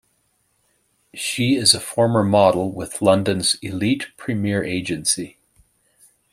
She is a former model with London's Elite Premier agency.